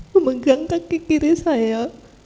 memegang kaki kiri saya